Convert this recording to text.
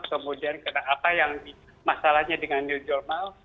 kemudian karena apa yang masalahnya dengan new normal